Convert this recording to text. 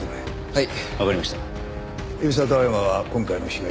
はい。